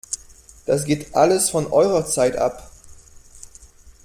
Das geht alles von eurer Zeit ab!